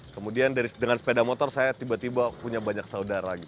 kemudian dengan sepeda motor saya tiba tiba punya banyak saudara